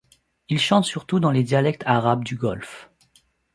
Il chante surtout dans les dialectes arabes du golfe.